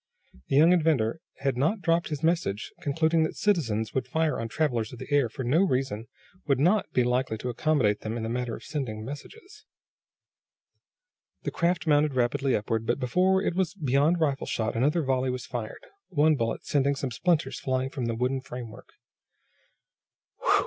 The young inventor had not dropped his message, concluding that citizens who would fire on travelers of the air for no reason, would not be likely to accommodate them in the matter of sending messages. The craft mounted rapidly upward, but before it was beyond rifle shot another volley was fired, one bullet sending some splinters flying from the wooden framework.